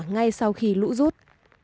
ngay sau khi lũ rút